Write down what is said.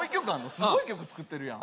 すごい曲作ってるやん